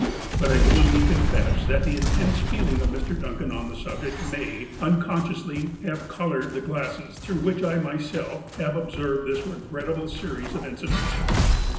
But I willingly con fess that the int(!nse feeling of Mr. Duncan on the subject may, unconsciously, have coloured the glasses through which I myself have observed this regrettable series of incidents.